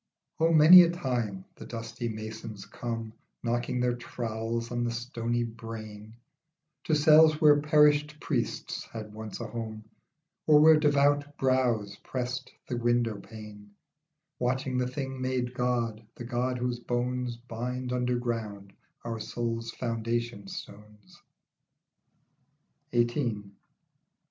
O many a time the dusty masons come Knocking their trowels in the stony brain To cells where perished priests had once a home, Or where devout brows pressed the window pane, Watching the thing made God, the God whose bones Bind underground our soul's foundation stones. 21 XVIII.